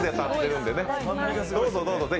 どうぞどうぞ、是非。